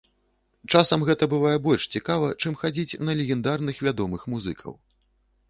Часам гэта бывае больш цікава чым, хадзіць на легендарных, вядомых музыкаў.